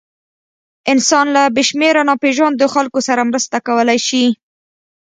انسان له بېشمېره ناپېژاندو خلکو سره مرسته کولی شي.